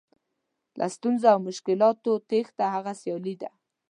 له ستونزو او مشکلاتو تېښته هغه سیالي ده.